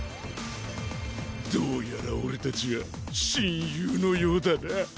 どうやら俺たちは親友のようだな。